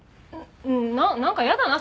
ななんかやだな